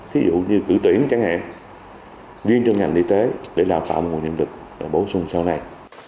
ví dụ như cử tiễn chẳng hạn riêng cho ngành y tế để đào tạo nguồn nhân lực và bổ sung sau này